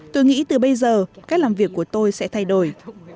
tôi nghĩ từ bây giờ cách làm việc của tôi sẽ thay đổi